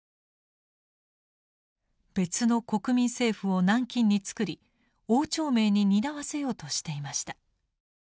別の国民政府を南京に作り汪兆銘に担わせようとしていました。